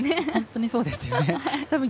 本当にそうですよね。